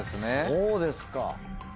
そうですか。